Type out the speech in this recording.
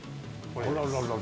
あらららら。